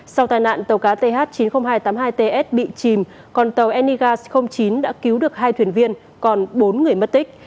sau tai nạn tàu cá th chín mươi nghìn hai trăm tám mươi hai ts bị chìm còn tàu enigas chín đã cứu được hai thuyền viên còn bốn người mất tích